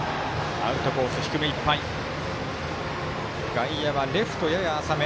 外野はレフト、やや浅め。